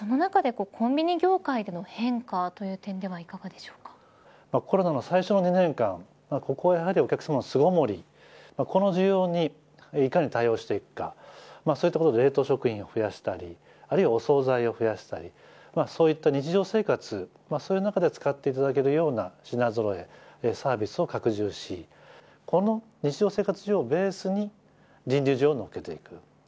その中でコンビニ業界での変化という点ではコロナの最初の２年間ここはやはりお客さまの巣ごもり、この需要にいかに対応していくかそういったところで冷凍食品を増やしたりあるいは、お総菜を増やしたりそういった日常生活そういう中で使っていただけるような品ぞろえサービスを拡充しこの日常生活上をベースに人流需要を乗せていく。